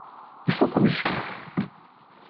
Ifuk uyefki.